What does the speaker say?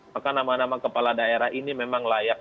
maka nama nama kepala daerah ini memang layak